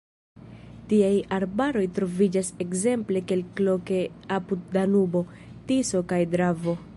Tiaj arbaroj troviĝas ekzemple kelkloke apud Danubo, Tiso kaj Dravo.